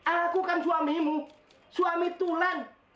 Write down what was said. aku kan suamimu suami tulan